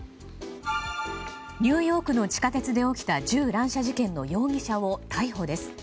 ニューヨークの地下鉄で起きた銃乱射事件の容疑者を逮捕です。